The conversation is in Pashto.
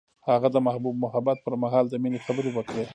هغه د محبوب محبت پر مهال د مینې خبرې وکړې.